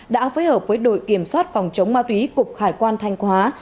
đã phối hợp với đội kiểm soát phòng chống ma túy cục hải quan thanh hóa